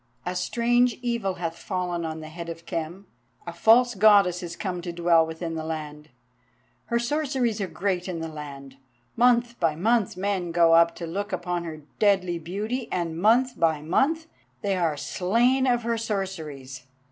"A strange evil hath fallen on the head of Khem. A false Goddess is come to dwell within the land; her sorceries are great in the land. Month by month men go up to look upon her deadly beauty, and month by month they are slain of her sorceries.